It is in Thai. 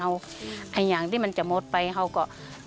เอาไอ้อย่างที่มันจะหมดไปเขาก็